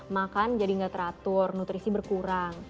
makan jadi nggak teratur nutrisi berkurang